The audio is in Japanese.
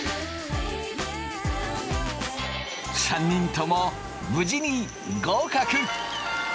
３人とも無事に合格。